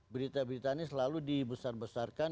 berita beritanya selalu dibesar besarkan